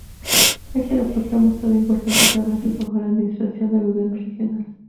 Este Aeropuerto ha mostrado importantes avances bajo la administración del gobierno regional.